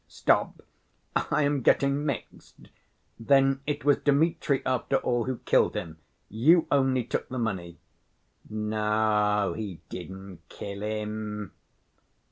"Stop ... I am getting mixed. Then it was Dmitri after all who killed him; you only took the money?" "No, he didn't kill him.